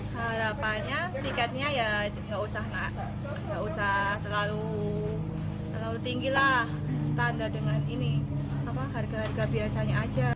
harapannya tiketnya tidak usah terlalu tinggi standar dengan harga harga biasanya saja